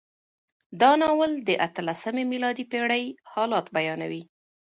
دا ناول د اتلسمې میلادي پېړۍ حالات بیانوي.